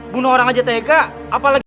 bunuh orang aja tk apalagi